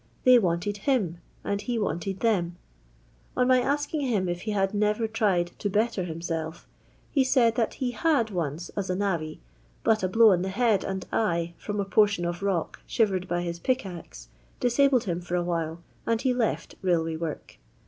They wanted him and ho wanted Ihem* On my asking him if he had never tried to "better himself,^ he said that he liad once as a navvy, but a blow on the head and eye, from a portion of rock shivered by his pick axe, disabled him for awhile, and he left railway work.